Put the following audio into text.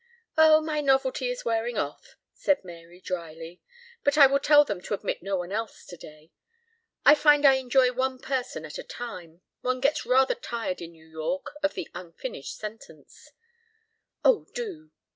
"Oh, my novelty is wearing off," said Mary drily. "But I will tell them to admit no one else today. I find I enjoy one person at a time. One gets rather tired in New York of the unfinished sentence." "Oh, do."